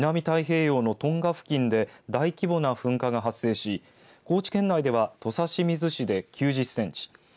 太平洋のトンガ付近で大規模な噴火が発生し高知県内では土佐清水市で９０センチ